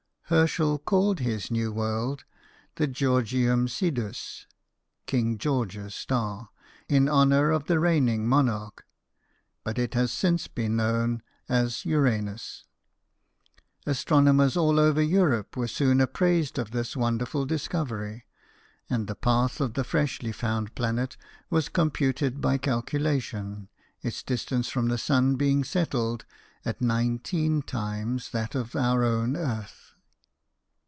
Her schel called his new world the Georgium Sidiis (King George's star) in honour of the reigning monarch ; but it has since been known as Uranus. Astronomers all over Europe were soon apprised of this wonderful discovery, and the path of the freshly found planet was com puted by calculation, its distance from the sun WILLIAM HERSCHEL, BANDSMAN. 105 being settled at nineteen times that of our own earth.